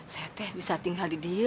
saya teh bisa tinggal di diau